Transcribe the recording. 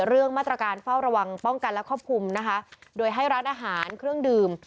เรื่องมาตรการเฝ้าระวังป้องกันและควบคุมนะคะโดยให้ร้านอาหารเครื่องดื่ม